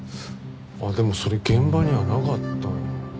でもそれ現場にはなかったな。